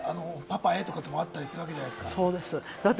『パパへ』とかっていうこともあったりするわけじゃないですか。